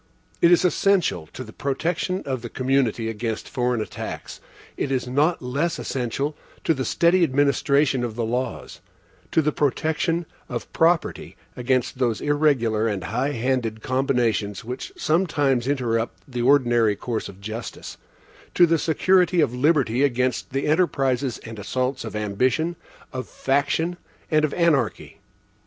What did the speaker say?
It is essential to the protection of the community against foreign attacks; it is not less essential to the steady administration of the laws; to the protection of property against those irregular and high handed combinations which sometimes interrupt the ordinary course of justice; to the security of liberty against the enterprises and assaults of ambition, of faction, and of anarchy.